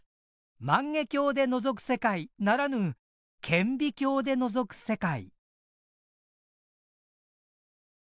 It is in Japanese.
「万華鏡で覗く世界」ならぬ「顕微鏡で覗く世界」。